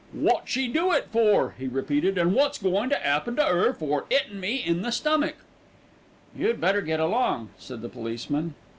"Wot she do it for?" he repeated, "an' wot's going to 'appen to 'er for 'ittin' me in the stummick?" "You'd better get along," said the policeman.